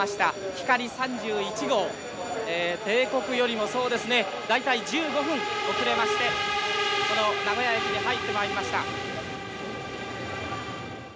ひかり３１号定刻よりもそうですね大体１５分遅れましてこの名古屋駅に入ってまいりました